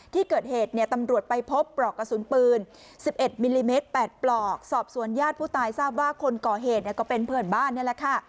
ที่เกิดเหตุเนี่ยตำรวจไปพบปลอกกระสุนปืน๑๑มิลลิเมตร๘ปลอกสอบสวนญาติผู้ตายทราบว่าคนก่อเหตุเนี่ยก็เป็นเพื่อนบ้านนี่แหละค่ะ